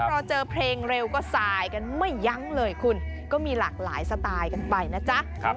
พอเจอเพลงเร็วก็สายกันไม่ยั้งเลยคุณก็มีหลากหลายสไตล์กันไปนะจ๊ะ